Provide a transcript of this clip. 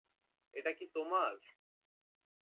এটা কি তোমার?